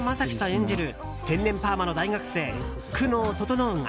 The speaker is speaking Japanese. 演じる天然パーマの大学生・久能整が